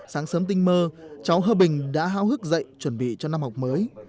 sáng sớm tinh mơ cháu hơ bình đã hào hức dậy chuẩn bị cho năm học mới